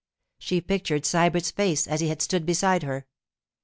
She pictured Sybert's face as he had stood beside her.